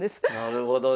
なるほど。